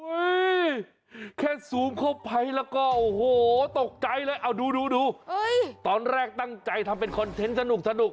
แค่ซูมเข้าไปแล้วก็โอ้โหตกใจเลยเอาดูดูตอนแรกตั้งใจทำเป็นคอนเทนต์สนุก